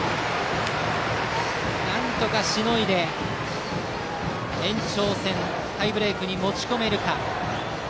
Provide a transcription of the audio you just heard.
なんとかしのいで、延長戦タイブレークに持ち込めるか。